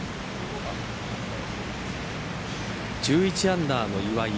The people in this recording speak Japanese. １１アンダーの岩井